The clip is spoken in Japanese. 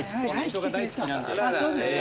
そうですか。